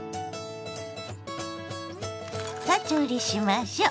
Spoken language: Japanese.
さあ調理しましょ。